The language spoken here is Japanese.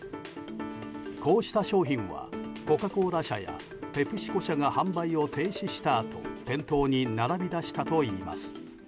こうした商品はコカ・コーラ社やペプシコ社が販売を停止したあと店頭に並び出したといいます。